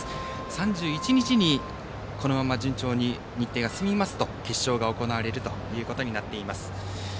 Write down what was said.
３１日にこのまま順調に日程が進みますと決勝が行われることになっています。